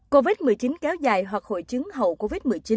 covid một mươi chín kéo dài hoặc hội chứng hậu covid một mươi chín